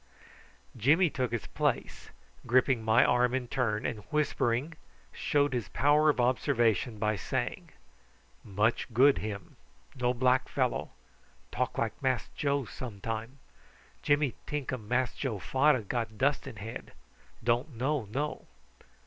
Jimmy took his place, gripping my arm in turn, and, whispering, showed his power of observation by saying: "Much good him. No black fellow. Talk like Mass Joe some time. Jimmy tink um Mass Joe fader got dust in head. Don't know know."